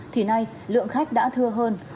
thì nay lượng khách đã thưa hơn